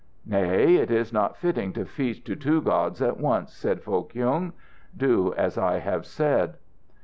"Nay, it is not fitting to feast to two gods at once," said Foh Kyung. "Do as I have said."